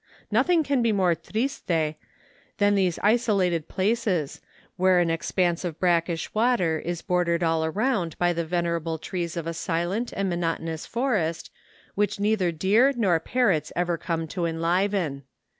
Nothing can be more triste than these isolated places, where an expanse of brackish water is bor¬ dered all around by the venerable trees of a silent and monotonous forest, which neither deer nor parrots ever come to enliven.